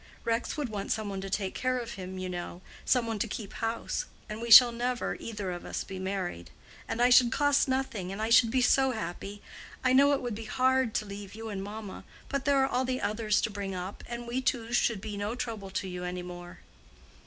"Rex would want some one to take care of him, you know—some one to keep house. And we shall never, either of us, be married. And I should cost nothing, and I should be so happy. I know it would be hard to leave you and mamma; but there are all the others to bring up, and we two should be no trouble to you any more."